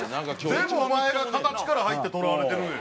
全部お前が形から入ってとらわれてるのよ。